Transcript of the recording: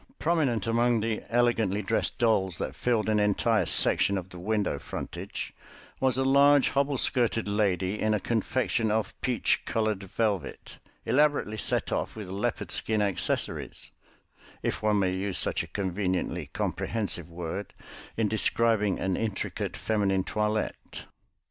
Prominent among the elegantly dressed dolls that filled an entire section of the window frontage was a large hobble skirted lady in a confection of peach coloured velvet, elaborately set off with leopard skin accessories, if one may use such a conveniently comprehensive word in describing an intricate feminine toilette.